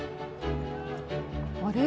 あれ？